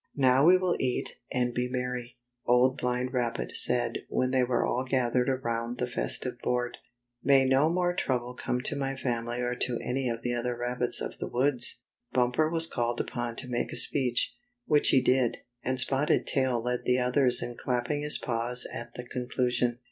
" Now we will eat and be merry," Old Blind Rabbit said when they were all gathered around the festive board. '' May no more trouble come to my family or to any of the other rabbits of the woods!" Bumper was called upon to make a speech, which he did, and Spotted Tail led the others in clapping his paws at the conclusion.